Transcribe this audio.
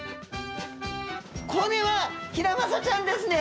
これはヒラマサちゃんですね！